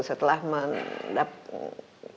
setelah melalui tantangan itu